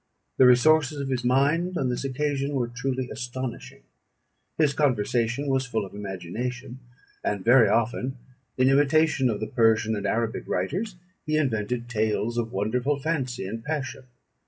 The resources of his mind on this occasion were truly astonishing: his conversation was full of imagination; and very often, in imitation of the Persian and Arabic writers, he invented tales of wonderful fancy and passion.